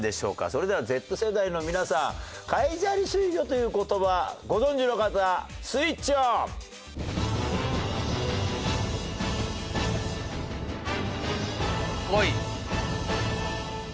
それではＺ世代の皆さん海砂利水魚という言葉ご存じの方スイッチオン！こい！